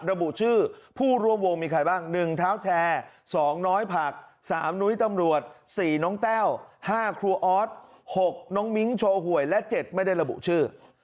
ระบุชื่อผู้ร่วมวงมีใครบ้าง๑เท้าแชร์๒น้อยผัก๓นุ้ยตำรวจ๔น้องแต้ว๕ครัวออส๖น้องมิ้งโชว์หวยและ๗ไม่ได้ระบุชื่อ